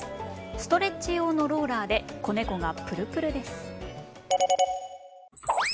ストレッチ用のローラーで子猫がプルプルです。